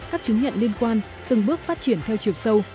các chứng nhận liên quan từng bước phát triển theo chiều sâu